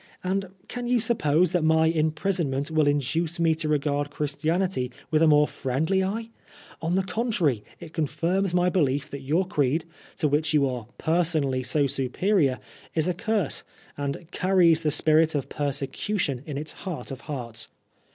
And can you suppose that my imprisonment will induce me to regard Christianity with a more friendly eye? On the contrary, it confirms my belief that your creed, to which you are personally so superior, is a curse, and carries the spirit of persecution in its heart of hearts."